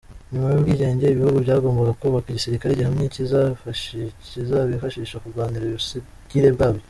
Nyuma y’ubwigenge, ibihugu byagombaga kubaka igisirikare gihamye kizabifasha kurwanira ubusugire bwabyo.